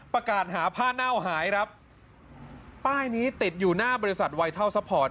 ประกาศหาผ้าเน่าหายครับป้ายนี้ติดอยู่หน้าบริษัทไวทัลซัพพอร์ต